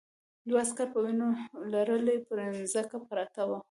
دوه عسکر په وینو لړلي پر ځمکه پراته وو